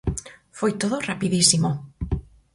Foi todo rapidísimo.